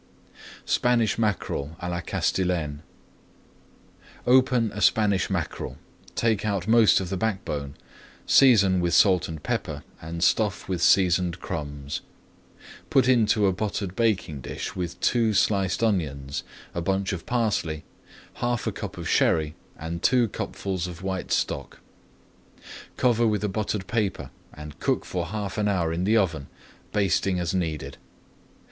SPANISH MACKEREL À LA CASTILLANE Open a Spanish mackerel, take out most of the backbone, season with salt and pepper, and stuff with seasoned crumbs. Put into a buttered baking dish with two sliced onions, a bunch of parsley, half a cupful of Sherry, and two cupfuls of white stock. Cover with a buttered paper and cook for half an hour in the oven, basting as needed.